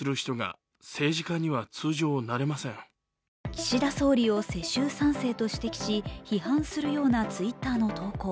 岸田総理を世襲３世と指摘し批判するようなＴｗｉｔｔｅｒの投稿。